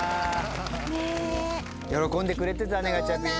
喜んでくれてたねガチャピンね。